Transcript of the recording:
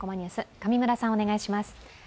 上村さん、お願いします。